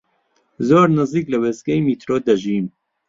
زۆر نزیک لە وێستگەی میترۆ دەژیم.